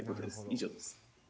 以上です。